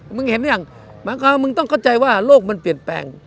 มึงเห็นหรือยังบางครั้งมึงต้องเข้าใจว่าโลกมันเปลี่ยนแปลง